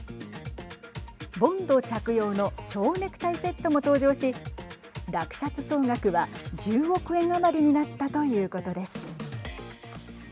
ボンド着用のちょうネクタイセットも登場し落札総額は１０億円余りになったということです。